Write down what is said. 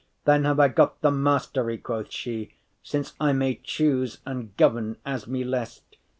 ” “Then have I got the mastery,” quoth she, “Since I may choose and govern as me lest.